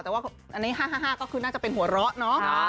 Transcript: แต่ว่าอันนี้๕๕ก็คือน่าจะเป็นหัวเราะเนาะ